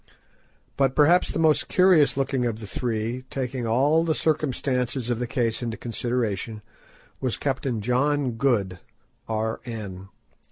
But perhaps the most curious looking of the three, taking all the circumstances of the case into consideration, was Captain John Good, R.N.